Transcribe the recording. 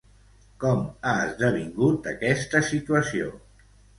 Com ha esdevingut aquesta situació?